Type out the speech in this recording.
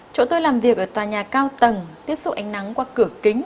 chỗ tôi làm việc ở tòa nhà cao tầng tiếp xúc ánh nắng qua cửa kính